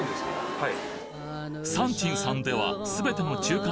はい。